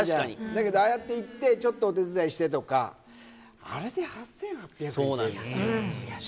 だけどああやって行って、ちょっとお手伝いしてとか、あれで８８００円って安い。